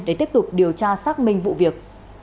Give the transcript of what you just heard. để tiếp tục điều tra xác minh vụ việc